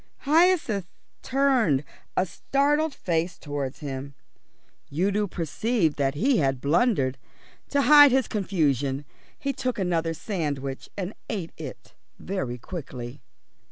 Hyacinth turned a startled face towards him. Udo perceived that he had blundered. To hide his confusion he took another sandwich and ate it very quickly.